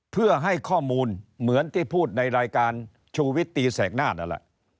เพื่อให้ข้อมูลเหมือนที่พูดในรายการชุวิตตีแสกนาฏ